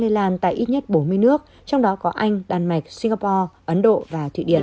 lây lan tại ít nhất bốn mươi nước trong đó có anh đan mạch singapore ấn độ và thụy điển